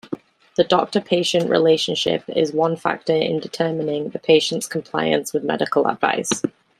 The doctor-patient relationship is one factor in determining the patient's compliance with medical advice.